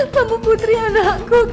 kamu putri anakku